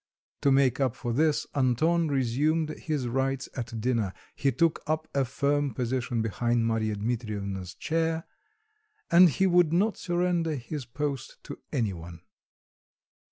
To make up for this, Anton resumed his rights at dinner: he took up a firm position behind Marya Dmitrievna's chair; and he would not surrender his post to any one.